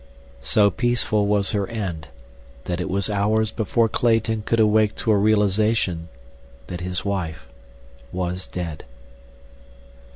So peaceful was her end that it was hours before Clayton could awake to a realization that his wife was dead.